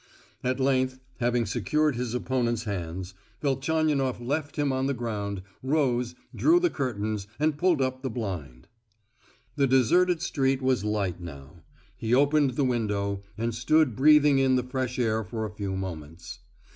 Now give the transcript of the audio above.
At length, having secured his opponent's hands, Velchaninoff left him on the ground, rose, drew the curtains, and pulled up the blind. The deserted street was light now. He opened the window, and stood breathing in the fresh air for a few moments.